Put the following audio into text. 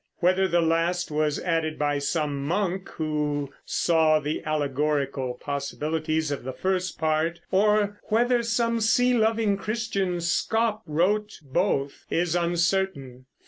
Whether the last was added by some monk who saw the allegorical possibilities of the first part, or whether some sea loving Christian scop wrote both, is uncertain.